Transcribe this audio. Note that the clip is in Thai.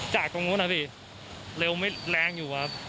จะตรงนั้นสิเร็วไม่แรงอยู่ไหม